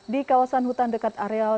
di kawasan hutan dekat areal